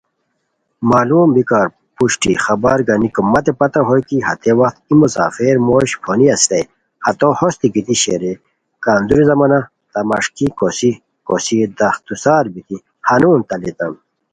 معلو م بیکار پھاݰی خبر گانیکو متے پتہ ہوئے کی ہتے وخت ای مسافر موش پھونی استائے ہتو ہوستی گیتی شیر رے کندوری زمانہ تہ مݰکی کوسی کوسی دراختو سار بیتی ہنون تہ لیتام